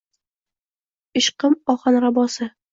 Ishqim ohanrabosi